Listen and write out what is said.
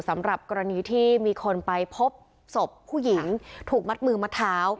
สำหรับกรณีที่มีคนไปพบศพผู้หญิงถูกมัดมือมัดเท้า